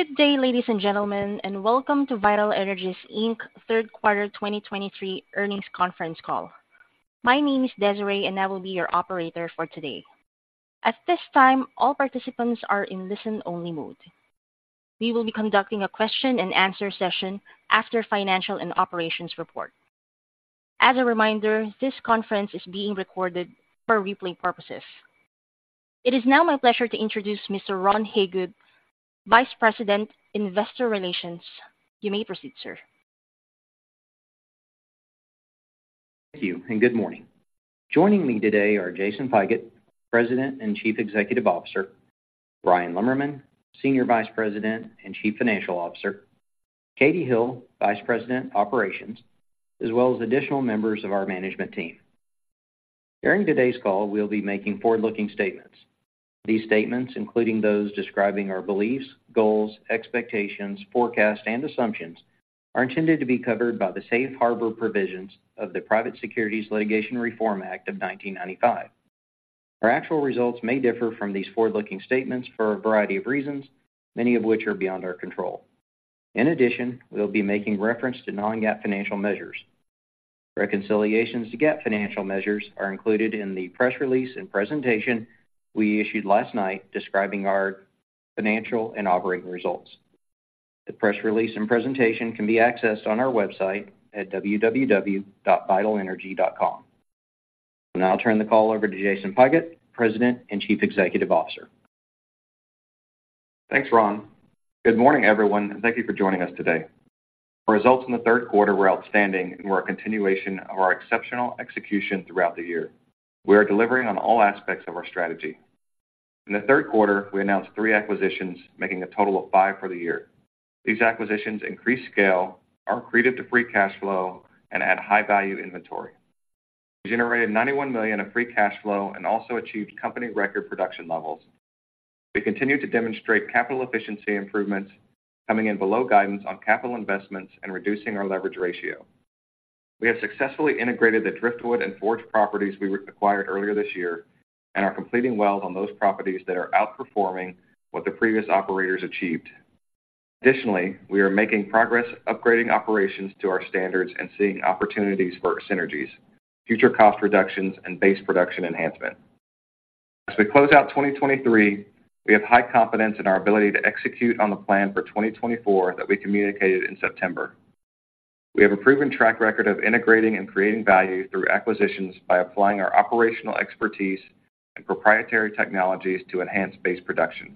Good day, ladies and gentlemen, and welcome to Vital Energy Third Quarter 2023 Earnings Conference Call. My name is Desiree, and I will be your operator for today. At this time, all participants are in listen-only mode. We will be conducting a question and answer session after financial and operations report. As a reminder, this conference is being recorded for replay purposes. It is now my pleasure to introduce Mr. Ron Hagood, Vice President, Investor Relations. You may proceed, sir. Thank you, and good morning. Joining me today are Jason Pigott, President and Chief Executive Officer, Bryan Lemmerman, Senior Vice President and Chief Financial Officer, Katie Hill, Vice President, Operations, as well as additional members of our management team. During today's call, we'll be making forward-looking statements. These statements, including those describing our beliefs, goals, expectations, forecasts, and assumptions, are intended to be covered by the Safe Harbor Provisions of the Private Securities Litigation Reform Act of 1995. Our actual results may differ from these forward-looking statements for a variety of reasons, many of which are beyond our control. In addition, we'll be making reference to non-GAAP financial measures. Reconciliations to GAAP financial measures are included in the press release and presentation we issued last night describing our financial and operating results. The press release and presentation can be accessed on our website at www.vitalenergy.com. I'll now turn the call over to Jason Pigott, President and Chief Executive Officer. Thanks, Ron. Good morning, everyone, and thank you for joining us today. Our results in the third quarter were outstanding and were a continuation of our exceptional execution throughout the year. We are delivering on all aspects of our strategy. In the third quarter, we announced three acquisitions, making a total of five for the year. These acquisitions increase scale, are accretive to free cash flow, and add high-value inventory. We generated $91 million of free cash flow and also achieved company record production levels. We continue to demonstrate capital efficiency improvements, coming in below guidance on capital investments and reducing our leverage ratio. We have successfully integrated the Driftwood and Forge properties we acquired earlier this year and are completing wells on those properties that are outperforming what the previous operators achieved. Additionally, we are making progress upgrading operations to our standards and seeing opportunities for synergies, future cost reductions, and base production enhancement. As we close out 2023, we have high confidence in our ability to execute on the plan for 2024 that we communicated in September. We have a proven track record of integrating and creating value through acquisitions by applying our operational expertise and proprietary technologies to enhance base production.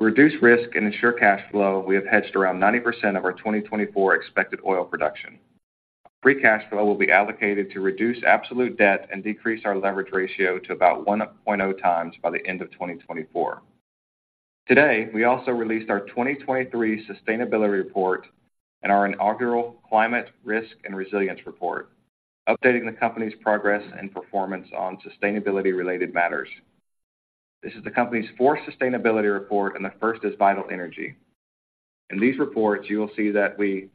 To reduce risk and ensure cash flow, we have hedged around 90% of our 2024 expected oil production. Free cash flow will be allocated to reduce absolute debt and decrease our leverage ratio to about 1.0 times by the end of 2024. Today, we also released our 2023 Sustainability Report and our inaugural Climate Risk and Resilience Report, updating the company's progress and performance on sustainability-related matters. This is the company's fourth Sustainability Report and the first as Vital Energy. In these reports, you will see that we,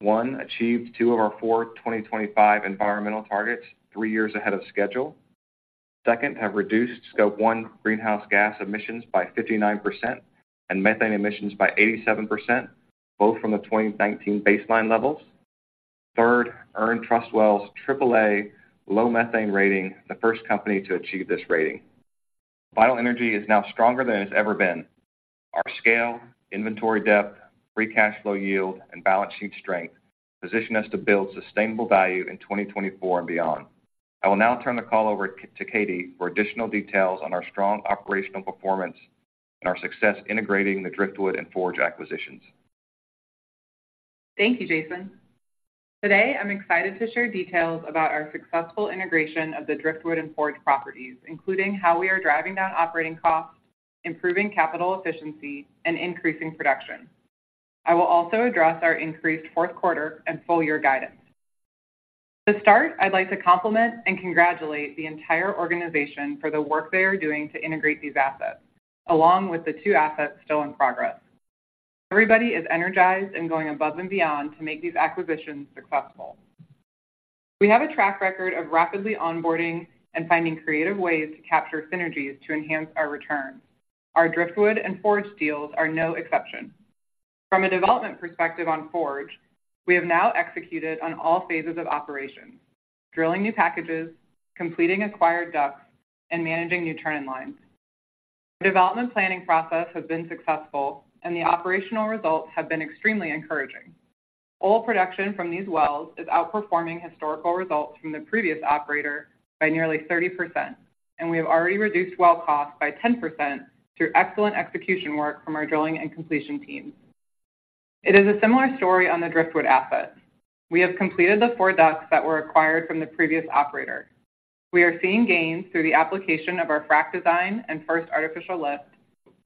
first, achieved two of our four 2025 environmental targets three years ahead of schedule. Second, have reduced Scope 1 greenhouse gas emissions by 59% and methane emissions by 87%, both from the 2019 baseline levels. Third, earned TrustWell's AAA Low Methane Rating, the first company to achieve this rating. Vital Energy is now stronger than it's ever been. Our scale, inventory depth, free cash flow yield, and balance sheet strength position us to build sustainable value in 2024 and beyond. I will now turn the call over to Katie for additional details on our strong operational performance and our success integrating the Driftwood and Forge acquisitions. Thank you, Jason. Today, I'm excited to share details about our successful integration of the Driftwood and Forge properties, including how we are driving down operating costs, improving capital efficiency, and increasing production. I will also address our increased fourth quarter and full year guidance. To start, I'd like to compliment and congratulate the entire organization for the work they are doing to integrate these assets, along with the two assets still in progress. Everybody is energized and going above and beyond to make these acquisitions successful. We have a track record of rapidly onboarding and finding creative ways to capture synergies to enhance our returns. Our Driftwood and Forge deals are no exception. From a development perspective on Forge, we have now executed on all phases of operations, drilling new packages, completing acquired DUCs, and managing new turn-in lines. The development planning process has been successful and the operational results have been extremely encouraging. Oil production from these wells is outperforming historical results from the previous operator by nearly 30%, and we have already reduced well costs by 10% through excellent execution work from our drilling and completion teams. It is a similar story on the Driftwood asset. We have completed the four DUCs that were acquired from the previous operator. We are seeing gains through the application of our frac design and first artificial lift,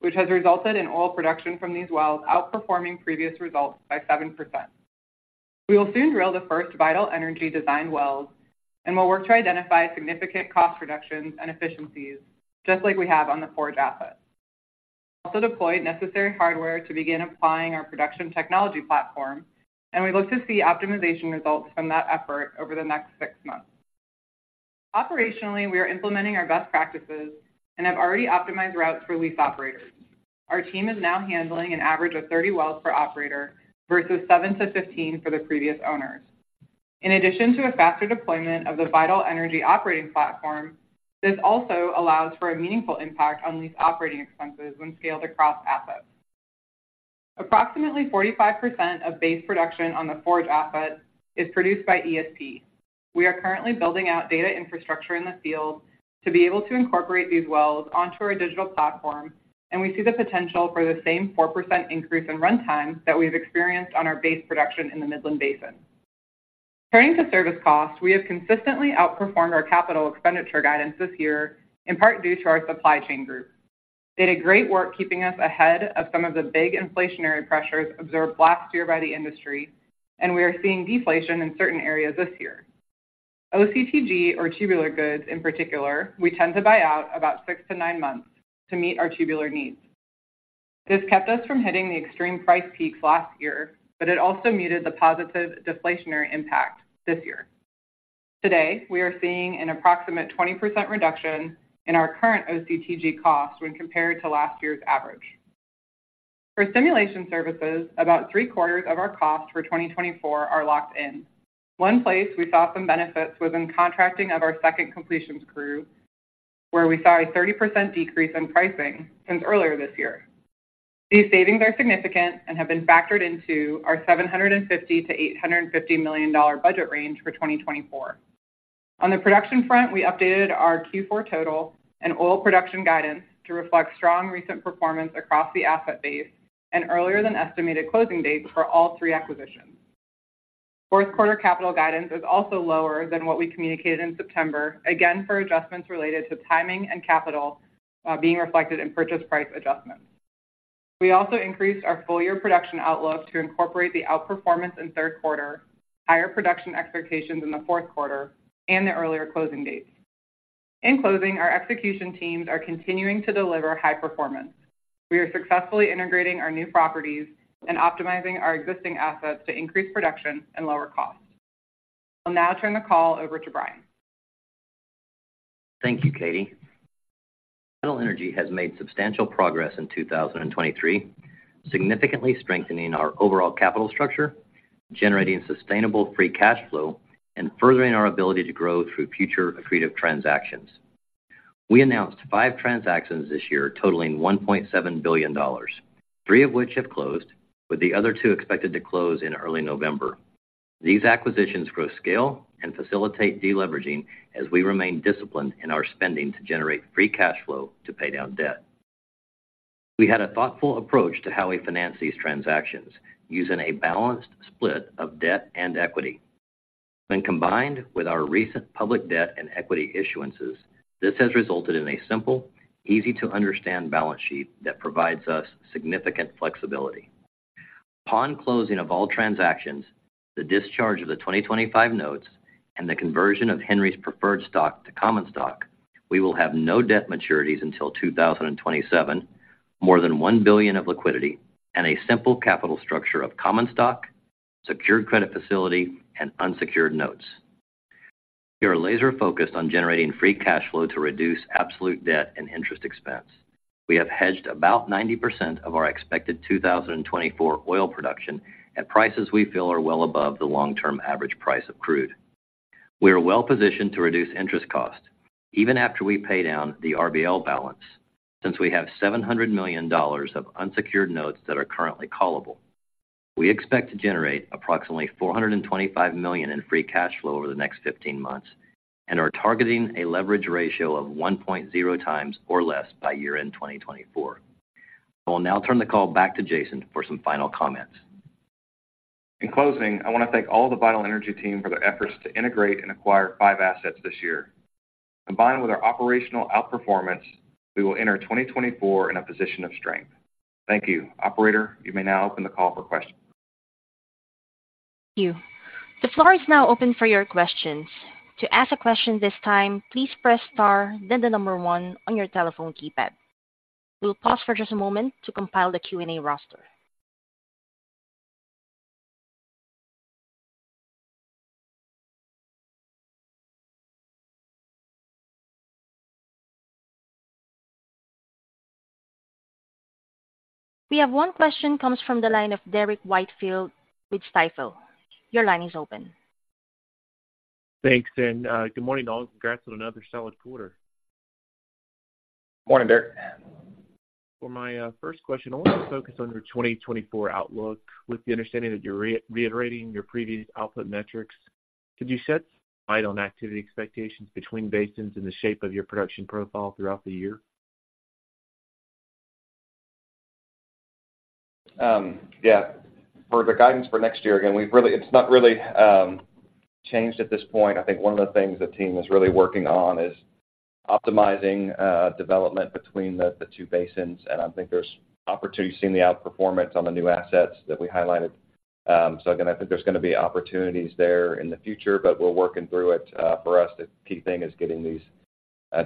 which has resulted in oil production from these wells outperforming previous results by 7%. We will soon drill the first Vital Energy design wells, and we'll work to identify significant cost reductions and efficiencies just like we have on the Forge asset. We also deployed necessary hardware to begin applying our production technology platform, and we look to see optimization results from that effort over the next six months... Operationally, we are implementing our best practices and have already optimized routes for lease operators. Our team is now handling an average of 30 wells per operator versus 7-15 for the previous owners. In addition to a faster deployment of the Vital Energy operating platform, this also allows for a meaningful impact on lease operating expenses when scaled across assets. Approximately 45% of base production on the Forge asset is produced by ESP. We are currently building out data infrastructure in the field to be able to incorporate these wells onto our digital platform, and we see the potential for the same 4% increase in runtime that we've experienced on our base production in the Midland Basin. Turning to service costs, we have consistently outperformed our capital expenditure guidance this year, in part due to our supply chain group. They did great work keeping us ahead of some of the big inflationary pressures observed last year by the industry, and we are seeing deflation in certain areas this year. OCTG, or tubular goods in particular, we tend to buy out about 6-9 months to meet our tubular needs. This kept us from hitting the extreme price peaks last year, but it also muted the positive deflationary impact this year. Today, we are seeing an approximate 20% reduction in our current OCTG costs when compared to last year's average. For stimulation services, about three-quarters of our costs for 2024 are locked in. One place we saw some benefits was in contracting of our second completions crew, where we saw a 30% decrease in pricing since earlier this year. These savings are significant and have been factored into our $750 million-$850 million budget range for 2024. On the production front, we updated our Q4 total and oil production guidance to reflect strong recent performance across the asset base and earlier than estimated closing dates for all three acquisitions. Fourth quarter capital guidance is also lower than what we communicated in September, again, for adjustments related to timing and capital being reflected in purchase price adjustments. We also increased our full year production outlook to incorporate the outperformance in third quarter, higher production expectations in the fourth quarter, and the earlier closing dates. In closing, our execution teams are continuing to deliver high performance. We are successfully integrating our new properties and optimizing our existing assets to increase production and lower costs. I'll now turn the call over to Bryan. Thank you, Katie. Vital Energy has made substantial progress in 2023, significantly strengthening our overall capital structure, generating sustainable free cash flow, and furthering our ability to grow through future accretive transactions. We announced five transactions this year, totaling $1.7 billion, three of which have closed, with the other two expected to close in early November. These acquisitions grow scale and facilitate deleveraging as we remain disciplined in our spending to generate free cash flow to pay down debt. We had a thoughtful approach to how we finance these transactions, using a balanced split of debt and equity. When combined with our recent public debt and equity issuances, this has resulted in a simple, easy-to-understand balance sheet that provides us significant flexibility. Upon closing of all transactions, the discharge of the 2025 notes, and the conversion of Henry's preferred stock to common stock, we will have no debt maturities until 2027, more than $1 billion of liquidity, and a simple capital structure of common stock, secured credit facility, and unsecured notes. We are laser-focused on generating free cash flow to reduce absolute debt and interest expense. We have hedged about 90% of our expected 2024 oil production at prices we feel are well above the long-term average price of crude. We are well positioned to reduce interest costs even after we pay down the RBL balance, since we have $700 million of unsecured notes that are currently callable. We expect to generate approximately $425 million in free cash flow over the next 15 months and are targeting a leverage ratio of 1.0x or less by year-end 2024. I will now turn the call back to Jason for some final comments. In closing, I want to thank all the Vital Energy team for their efforts to integrate and acquire five assets this year. Combined with our operational outperformance, we will enter 2024 in a position of strength. Thank you. Operator, you may now open the call for questions. Thank you. The floor is now open for your questions. To ask a question this time, please press star, then the number one on your telephone keypad. We'll pause for just a moment to compile the Q&A roster. We have one question comes from the line of Derrick Whitfield with Stifel. Your line is open. Thanks, and good morning, all. Congrats on another solid quarter. Morning, Derrick. For my first question, I want to focus on your 2024 outlook. With the understanding that you're reiterating your previous output metrics, could you shed light on activity expectations between basins and the shape of your production profile throughout the year? Yeah. For the guidance for next year, again, we've really-- It's not really changed at this point. I think one of the things the team is really working on is optimizing development between the two basins, and I think there's opportunity, seeing the outperformance on the new assets that we highlighted. So again, I think there's gonna be opportunities there in the future, but we're working through it. For us, the key thing is getting these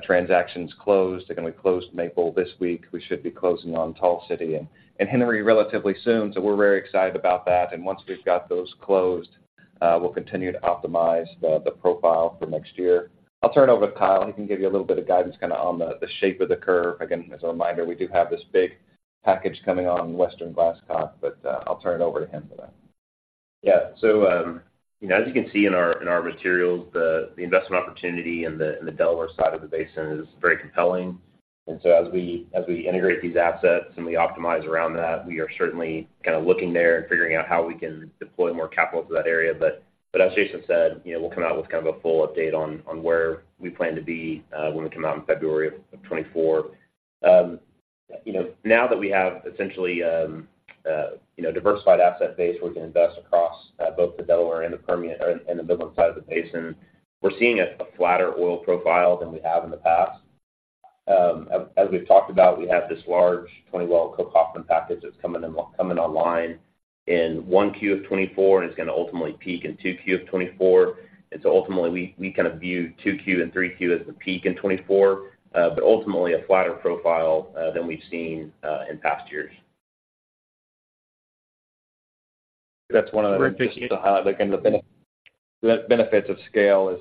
transactions closed. Again, we closed Maple this week. We should be closing on Tall City and Henry relatively soon, so we're very excited about that. And once we've got those closed, we'll continue to optimize the profile for next year. I'll turn it over to Kyle. He can give you a little bit of guidance kind of on the shape of the curve. Again, as a reminder, we do have this big package coming on Western Glasscock, but, I'll turn it over to him for that. Yeah. So, you know, as you can see in our materials, the investment opportunity in the Delaware side of the basin is very compelling. So as we integrate these assets and we optimize around that, we are certainly kind of looking there and figuring out how we can deploy more capital to that area. But as Jason said, you know, we'll come out with kind of a full update on where we plan to be when we come out in February of 2024. You know, now that we have essentially a diversified asset base, we can invest across both the Delaware and the Permian and the Midland side of the basin. We're seeing a flatter oil profile than we have in the past. As we've talked about, we have this large 20-well Cook-Hoffman package that's coming online in 1Q 2024, and it's gonna ultimately peak in 2Q 2024. And so ultimately, we kind of view 2Q and 3Q as the peak in 2024, but ultimately a flatter profile than we've seen in past years. That's one of the, again, the benefits of scale is,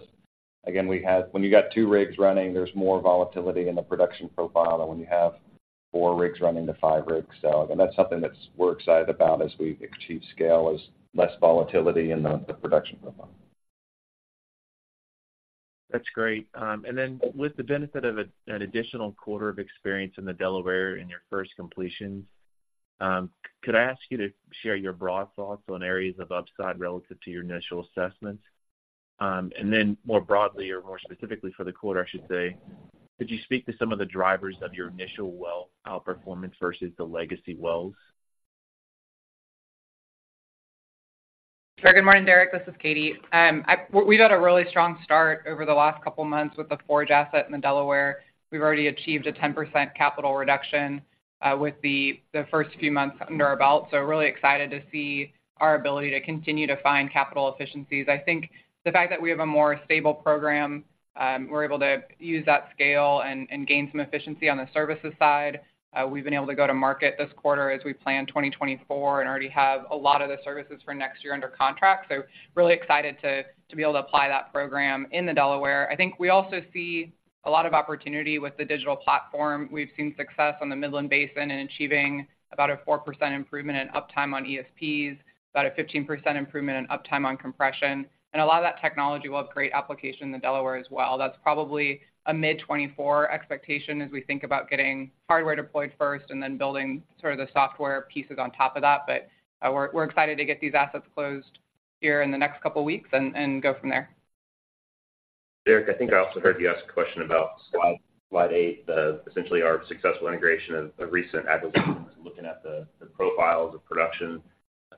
again, we have. When you got two rigs running, there's more volatility in the production profile than when you have four rigs running to five rigs. So again, that's something that's we're excited about as we achieve scale, is less volatility in the, the production profile. That's great. And then with the benefit of a, an additional quarter of experience in the Delaware in your first completions, could I ask you to share your broad thoughts on areas of upside relative to your initial assessments? And then more broadly or more specifically for the quarter, I should say, could you speak to some of the drivers of your initial well outperformance versus the legacy wells? Sure. Good morning, Derrick. This is Katie. We've had a really strong start over the last couple of months with the Forge asset in the Delaware. We've already achieved a 10% capital reduction with the first few months under our belt, so really excited to see our ability to continue to find capital efficiencies. I think the fact that we have a more stable program, we're able to use that scale and gain some efficiency on the services side. We've been able to go to market this quarter as we plan 2024 and already have a lot of the services for next year under contract. So really excited to be able to apply that program in the Delaware. I think we also see a lot of opportunity with the digital platform. We've seen success on the Midland Basin in achieving about a 4% improvement in uptime on ESPs, about a 15% improvement in uptime on compression, and a lot of that technology will have great application in the Delaware as well. That's probably a mid-2024 expectation as we think about getting hardware deployed first and then building sort of the software pieces on top of that. But, we're excited to get these assets closed here in the next couple of weeks and go from there. Derrick, I think I also heard you ask a question about slide, slide eight, essentially our successful integration of, of recent acquisitions. Looking at the, the profiles of production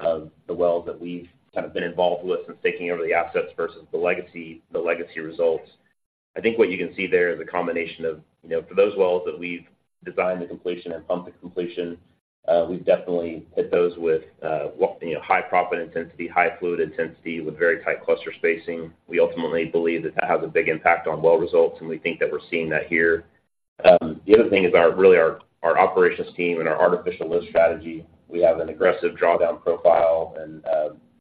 of the wells that we've kind of been involved with since taking over the assets versus the legacy, the legacy results. I think what you can see there is a combination of, you know, for those wells that we've designed the completion and pumped the completion, we've definitely hit those with, what, you know, high proppant intensity, high fluid intensity, with very tight cluster spacing. We ultimately believe that that has a big impact on well results, and we think that we're seeing that here. The other thing is our, really our, our operations team and our artificial lift strategy. We have an aggressive drawdown profile and,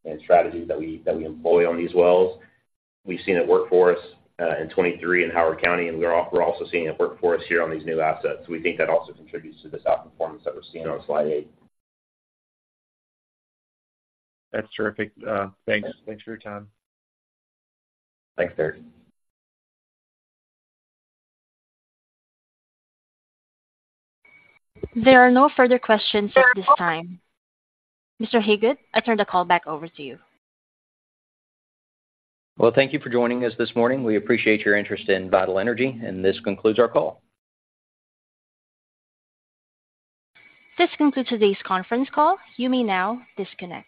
and strategies that we employ on these wells. We've seen it work for us in 2023 in Howard County, and we're also seeing it work for us here on these new assets. We think that also contributes to this outperformance that we're seeing on slide 8. That's terrific. Thanks. Thanks for your time. Thanks, Derrick. There are no further questions at this time. Mr. Hagood, I turn the call back over to you. Well, thank you for joining us this morning. We appreciate your interest in Vital Energy, and this concludes our call. This concludes today's conference call. You may now disconnect.